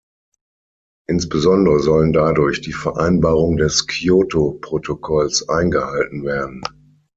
Insbesondere sollen dadurch die Vereinbarungen des Kyoto-Protokolls eingehalten werden.